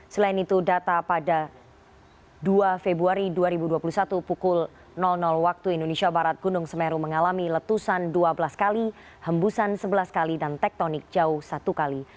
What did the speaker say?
selain itu data pada dua februari dua ribu dua puluh satu pukul waktu indonesia barat gunung semeru mengalami letusan dua belas kali hembusan sebelas kali dan tektonik jauh satu kali